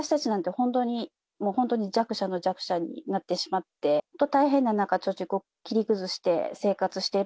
本当に、もう本当に弱者の弱者になってしまって、本当大変な中、貯蓄を切り崩して生活している。